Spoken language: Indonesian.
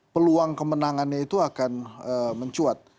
peluang kemenangannya itu akan mencuat